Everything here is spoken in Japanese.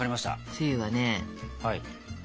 つゆはね